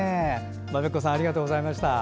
まめっこさんありがとうございました。